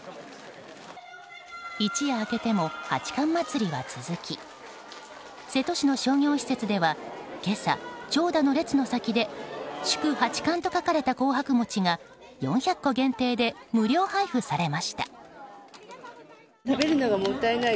一夜明けても八冠祭りは続き瀬戸市の商業施設では今朝、長蛇の列の先で「祝八冠」と書かれた紅白餅が４００個限定で無料配布されました。